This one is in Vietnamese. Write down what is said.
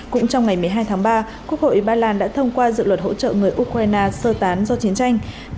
cũng trong ngày một mươi hai tháng ba quốc hội ba lan đã thông qua dự luật hỗ trợ người ukraine sơ tán do chiến tranh